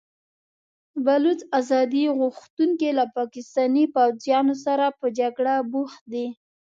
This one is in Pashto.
بلوڅ ازادي غوښتونکي له پاکستاني پوځیانو سره په جګړه بوخت دي.